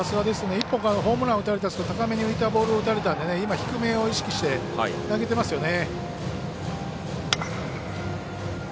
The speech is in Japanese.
１本ホームラン打たれたあと高めのボールを打たれたんで低めを意識して投げていますよね。